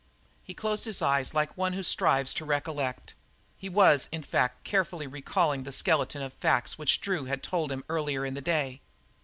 He closed his eyes like one who strives to recollect; he was, in fact, carefully recalling the skeleton of facts which Drew had told him earlier in the day.